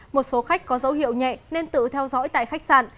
một số khách có dấu hiệu nhẹ nên tự theo dõi tại khách sạn